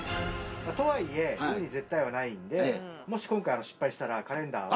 とはいえ、海に絶対はないんで、もし今回、失敗したら、カレンダーは。